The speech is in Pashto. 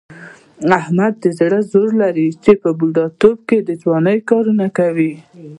احمد د زړه زور لري، چې په بوډا توب کې د ځوانۍ کارونه کوي.